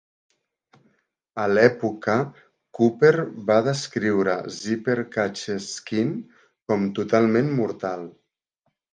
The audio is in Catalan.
A l'època, Cooper va descriure "Zipper Catches Skin" com "totalment mortal.